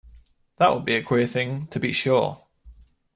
That will be a queer thing, to be sure!